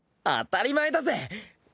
当たり前だぜ！